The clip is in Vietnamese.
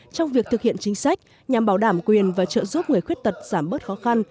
trong việc thực hiện chính sách nhằm bảo đảm quyền và trợ giúp người khuyết tật giảm bớt khó khăn